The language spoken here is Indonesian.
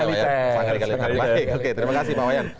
terima kasih pak iwayan